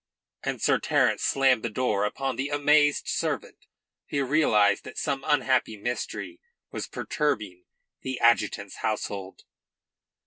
And Sir Terence slammed the door upon the amazed servant, who realised that some unhappy mystery was perturbing the adjutant's household.